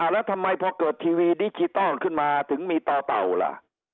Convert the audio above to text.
แล้วทำไมพอเกิดทีวีดิจิทัลขึ้นมาถึงมีต่อเต่าล่ะ